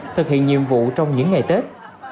thực hiện nhiệm vụ trong những ngày tết